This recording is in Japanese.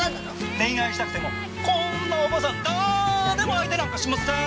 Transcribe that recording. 恋愛したくてもこんなおばさん誰も相手なんかしませーん！